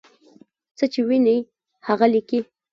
څه چې ویني هغه لیکي.